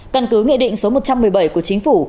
căn cứ nghị định số một trăm một mươi bảy của chính phủ